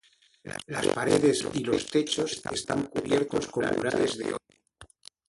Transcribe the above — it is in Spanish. Las paredes y los techos están cubiertos con murales de hoy.